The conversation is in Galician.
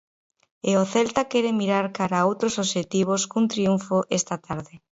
E o Celta quere mirar cara a outros obxectivos cun triunfo esta tarde.